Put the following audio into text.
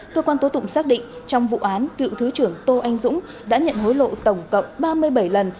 cơ quan tố tụng xác định trong vụ án cựu thứ trưởng tô anh dũng đã nhận hối lộ tổng cộng ba mươi bảy lần